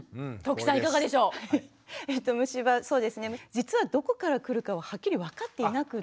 実はどこから来るかははっきり分かっていなくって。